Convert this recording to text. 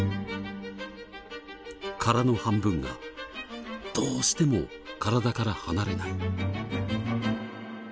殻の半分がどうしても体から離れない。